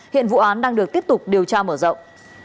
hiện vụ án đang được tiếp tục điều tra mở rộng